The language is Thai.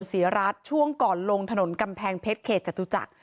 ศรีรัฐช่วงก่อนลงถนนกำแพงเพชรเขตจตุจักร